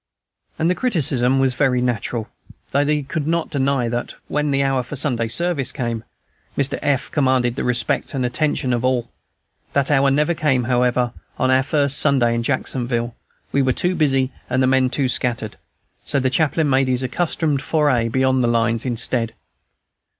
And the criticism was very natural, though they could not deny that, when the hour for Sunday service came, Mr. F. commanded the respect and attention of all. That hour never came, however, on our first Sunday in Jacksonville; we were too busy and the men too scattered; so the chaplain made his accustomed foray beyond the lines instead.